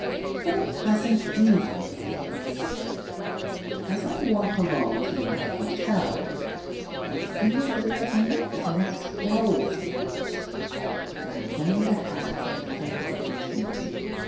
What a pleasant evening it is ! But as I walk along toward the hotel I feel that I have not met Wells yet. And I am going to have another opportunity.